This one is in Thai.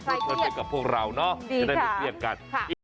ส่วนเถิดไปกับพวกเราเนาะจะได้เป็นเพียงกัน